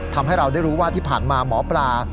ทำให้เราได้รู้ว่าที่ผ่านมาหมอปลา